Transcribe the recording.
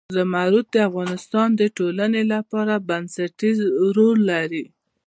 زمرد د افغانستان د ټولنې لپاره بنسټيز رول لري.